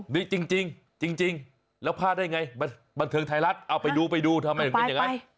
นี่จริงแล้วพลาดได้ไงบันเทิงไทยรัฐเอาไปดูทำไมเป็นอย่างไร